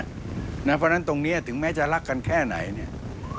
เพราะฉะนั้นตรงนี้ถึงแม้จะรักกันแค่ไหนเนี่ย